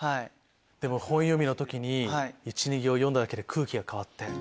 本読みの時に１２行読んだだけで空気が変わって。